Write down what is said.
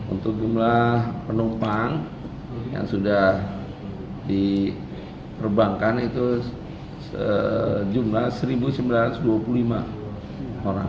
untuk jumlah penumpang yang sudah diterbangkan itu sejumlah satu sembilan ratus dua puluh lima orang